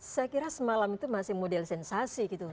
saya kira semalam itu masih model sensasi gitu